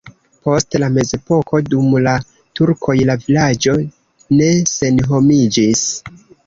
Post la mezepoko dum la turkoj la vilaĝo ne senhomiĝis.